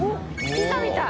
ピザみたい。